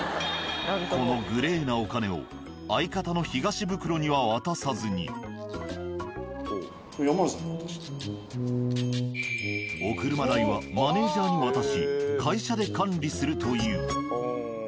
このグレーなお金を相方のお車代はマネージャーに渡し会社で管理するという。